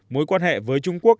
mối quan hệ với trung quốc